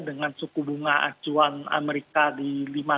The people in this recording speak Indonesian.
dengan suku bunga acuan amerika di lima dua puluh lima